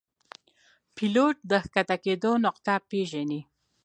پیلوټ د ښکته کېدو نقطه پیژني.